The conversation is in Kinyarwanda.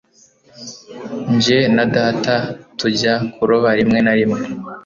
Jye na data tujya kuroba rimwe na rimwe.